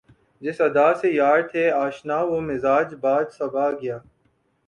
جس ادا سے یار تھے آشنا وہ مزاج باد صبا گیا